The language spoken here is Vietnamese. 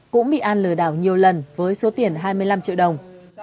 cũng bị an lừa đảo nhiều lần với số tiền hai mươi năm triệu đồng